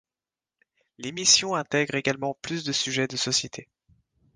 L'émission intègre également plus de sujets de société.